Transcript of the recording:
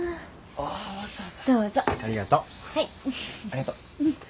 ありがとう。